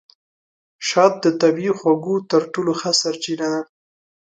شات د طبیعي خوږو تر ټولو ښه سرچینه ده.